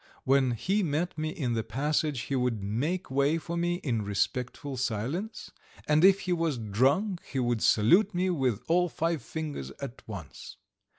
When he met me in the passage he would make way for me in respectful silence, and if he was drunk he would salute me with all five fingers at once.